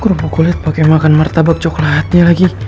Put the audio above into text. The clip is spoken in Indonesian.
kurokoli pake makan martabak coklatnya lagi